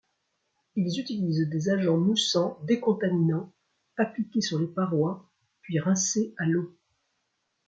Ils utilisent des agents moussant décontaminants, appliqués sur les parois puis rincés à l'eau.